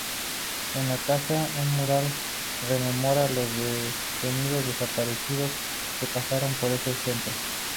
En la casa, un mural rememora los detenidos desaparecidos que pasaron por ese centro.